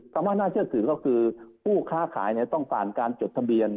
ว่าน่าเชื่อถือก็คือผู้ค้าขายต้องผ่านการจดทะเบียน